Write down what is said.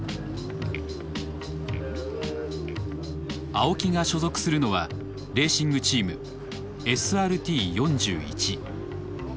青木が所属するのはレーシングチーム「ＳＲＴ４１」。